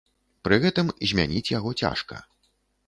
Пры гэтым змяніць яго цяжка.